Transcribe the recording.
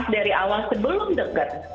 dari awal sebelum dekat